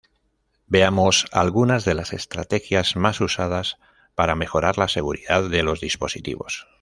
Veamos algunas de las estrategias más usadas para mejorar la seguridad de los dispositivos.